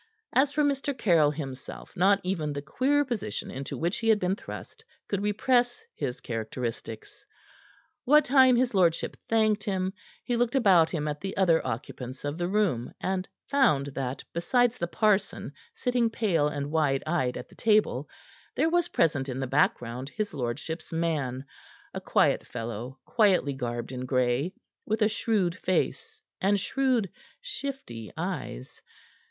As for Mr. Caryll himself, not even the queer position into which he had been thrust could repress his characteristics. What time his lordship thanked him, he looked about him at the other occupants of the room, and found that, besides the parson, sitting pale and wide eyed at the table, there was present in the background his lordship's man a quiet fellow, quietly garbed in gray, with a shrewd face and shrewd, shifty eyes.